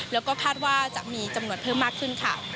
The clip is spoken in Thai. แล้วก็คาดว่าจะมีจำนวนเพิ่มมากขึ้นค่ะ